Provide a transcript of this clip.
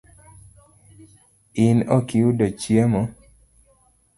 In ok iyudo chiemo?